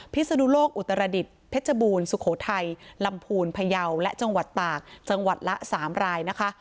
พิศนุโลกอุตรดิษฐ์เพชรบูรณ์สุโขทัยลำพูนพยาวและจังหวัดตากจังหวัดละ๓รายนะคะ